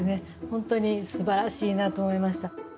本当にすばらしいなと思いました。